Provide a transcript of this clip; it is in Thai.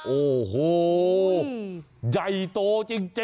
โอ้โหใหญ่โตจริง